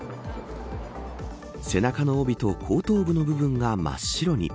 背中の帯と後頭部の部分が真っ白に。